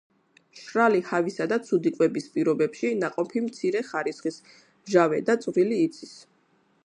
მშრალი ჰავისა და ცუდი კვების პირობებში ნაყოფი მცირე ხარისხის, მჟავე და წვრილი იცის.